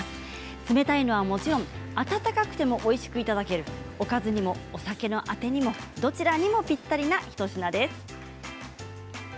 冷たいのはもちろん温かくてもおいしくいただけるおかずにもお酒のあてにもどちらにもぴったりな一品です。